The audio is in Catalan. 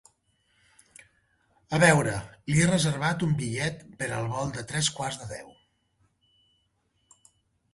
A veure, li he reservat un bitllet per al vol de tres quarts de deu.